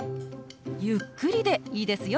ゆっくりでいいですよ。